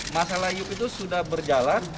masalah yuk itu sudah berjalan